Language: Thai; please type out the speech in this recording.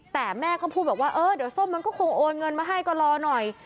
แต่แม่ก็พูดบอกว่าเออเดี๋ยวส้มมันก็คงโอนเงินมาให้ก็รอหน่อย